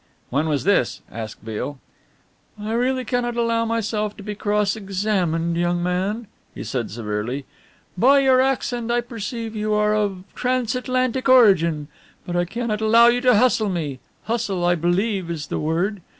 "When was this?" asked Beale. "I really cannot allow myself to be cross examined, young man," he said severely, "by your accent I perceive that you are of trans Atlantic origin, but I cannot allow you to hustle me hustle I believe is the word.